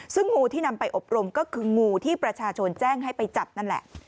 ซึ่งงูที่นำไปอบรมก็คืองูที่ประชาชนแจ้งให้ไปจับนั่นแหละ